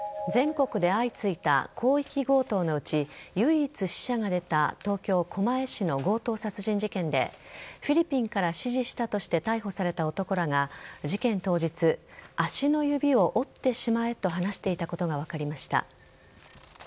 全国で相次いだ広域強盗のうち唯一死者が出た東京・狛江市の強盗殺人事件でフィリピンから指示したとして逮捕された男らが事件当日足の指を折ってしまえと話していたことが分かりました。